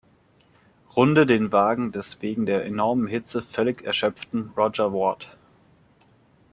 Runde den Wagen des wegen der enormen Hitze völlig erschöpften Rodger Ward.